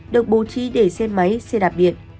được bộ trí để xe máy xe đạp điện